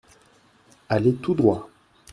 Allez tout droit !